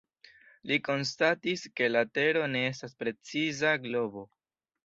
Li konstatis, ke la Tero ne estas preciza globo.